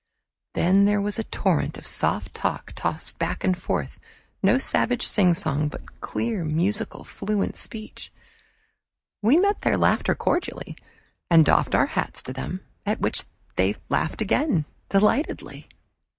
Then there was a torrent of soft talk tossed back and forth; no savage sing song, but clear musical fluent speech. We met their laughter cordially, and doffed our hats to them, at which they laughed again, delightedly.